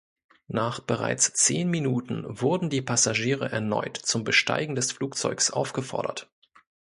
Nach bereits zehn Minuten wurden die Passagiere erneut zum Besteigen des Flugzeugs aufgefordert.